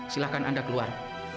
silahkan anda keluar